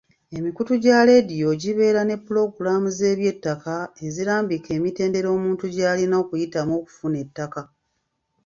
Emikutu gya leediyo gibeera ne pulogulaamu z’eby'ettaka ezirambika emitendera omuntu gy’alina okuyitamu okufuna ettaka.